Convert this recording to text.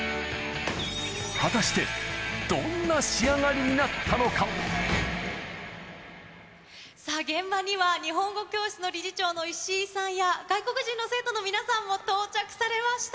果たして、どんな仕上がりになっさあ、現場には、日本語教室の理事長の石井さんや、外国人の生徒の皆さんも到着されました。